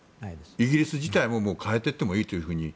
イギリス自体も変えていってもいいと。